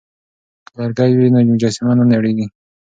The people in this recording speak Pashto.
که لرګی وي نو مجسمه نه نړیږي.